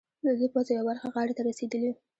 د دې پوځ یوه برخه غاړې ته رسېدلي.